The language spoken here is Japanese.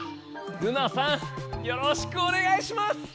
ルナさんよろしくおねがいします！